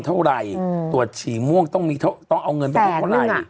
ถูดฉี่ม่วงต้องเอาเงินที่เม็ดเท่าไหร่